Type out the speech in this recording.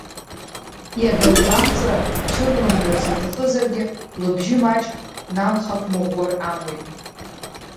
Иага лгәамҵра цәырлымгарц лҭахызаргьы, лыбжьы маҷк днамхақәмыӷәӷәар амуит.